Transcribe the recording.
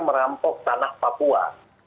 merampok tanah papua